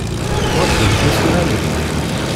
Teḥwajeḍ tisura-nni?